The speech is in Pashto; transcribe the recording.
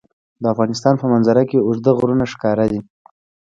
د افغانستان په منظره کې اوږده غرونه ښکاره ده.